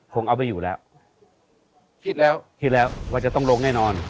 คงเอาไปอยู่แล้วคิดแล้วคุณภรรยาวะจะต้องลงแน่นอน